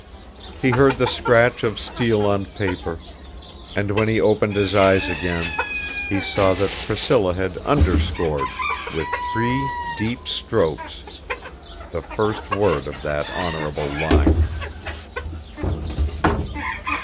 He heard the scratch of steel on paper; and when he opened his eyes again he saw that Priscilla had underscored, with three deep strokes, the first word of that honorable line.